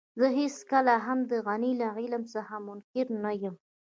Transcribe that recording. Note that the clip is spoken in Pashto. زه هېڅکله هم د غني له علم څخه منکر نه يم.